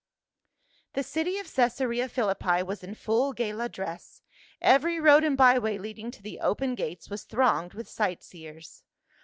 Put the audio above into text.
THE city of Caesarca Philippi was in full gala dress, every road and by way leading to the open gates was thronged with sightseers.